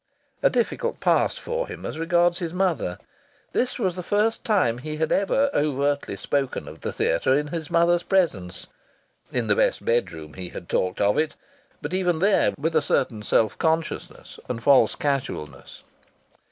A difficult pass for him, as regards his mother! This was the first time he had ever overtly spoken of the theatre in his mother's presence. In the best bedroom he had talked of it but even there with a certain self consciousness and false casualness.